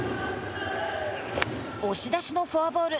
押し出しのフォアボール。